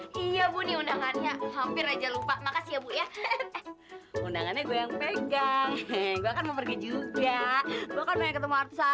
kau yang nyiptain lagu itu